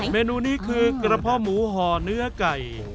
เมนูนี้คือกระเพาะหมูห่อเนื้อไก่